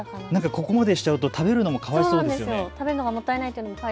ここまでしちゃうと食べるのもかわいそうですよね。